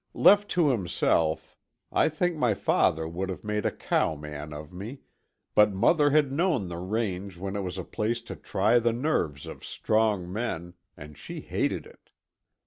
Left to himself, I think my father would have made a cowman of me, but mother had known the range when it was a place to try the nerves of strong men, and she hated it.